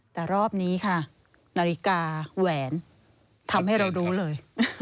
แต่รอบนี้ค่ะนาฬิกาแหวนทำให้เรารู้เลย